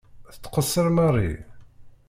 Tettqeṣṣiṛ Mary.